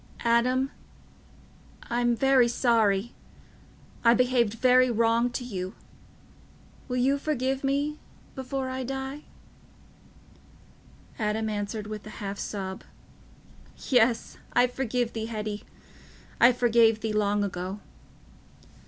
"Adam... I'm very sorry... I behaved very wrong to you... will you forgive me... before I die?" Adam answered with a half sob, "Yes, I forgive thee Hetty. I forgave thee long ago."